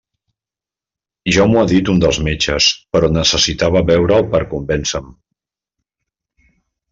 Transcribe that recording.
Ja m'ho ha dit un dels metges, però necessitava veure'l per a convèncer-me.